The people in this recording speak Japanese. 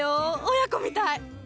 親子みたい！